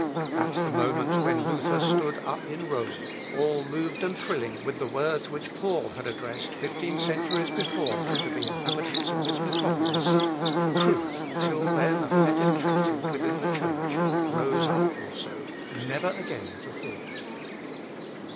At the moment when Luther stood up in Rome, all moved and thrilling with the words which Paul had addressed fifteen centuries before to the inhabitants of this metropolis, truth, till then a fettered captive within the Church, rose up also, never again to fall.